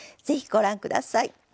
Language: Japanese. ぜひご覧下さい。